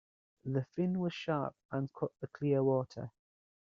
The fin was sharp and cut the clear water.